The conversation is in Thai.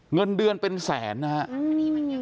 เงินเดือนเป็นแสนนะครับ